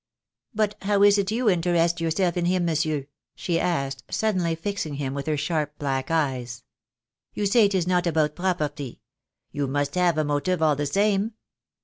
But how is it you interest yourself in him, monsieur?" she asked, suddenly fixing him with her sharp black eyes. "You say it is not about property. You must have a motive, all the same."